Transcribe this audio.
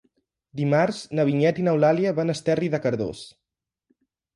Dimarts na Vinyet i n'Eulàlia van a Esterri de Cardós.